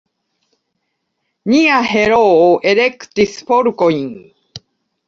Nia heroo elektis forkojn.